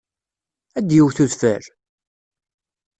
Ad d-yewwet udfel?